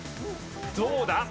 どうだ？